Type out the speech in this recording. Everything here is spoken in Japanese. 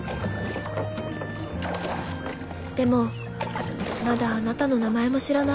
でもまだあなたの名前も知らない。